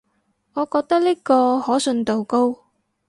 我覺得呢個可信度最高